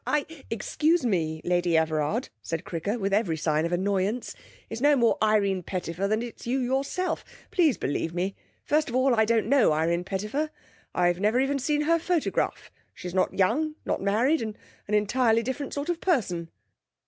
I ' 'Excuse me, Lady Everard,' said Cricker, with every sign of annoyance, 'it's no more Irene Pettifer than it's you yourself. Please believe me. First of all I don't know Irene Pettifer; I've never even seen her photograph she's not young, not married, and an entirely different sort of person.'